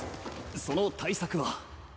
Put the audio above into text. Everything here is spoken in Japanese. その対策は？